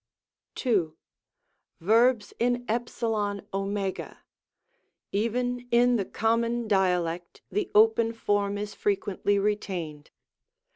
II. Verbs in « a?. — Even in the common Dialect the open form is frequently retained.